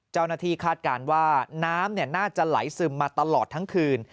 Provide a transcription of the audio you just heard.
เจ้าหน้าที่คาดการณ์ว่าน้ำน่าจะไหลซึมมาตลอดทั้งคืน